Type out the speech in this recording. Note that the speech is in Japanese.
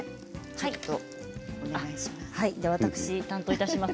ちょっとお願いします。